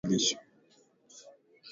Utahitaji jiko lako la kupikia viazi lishe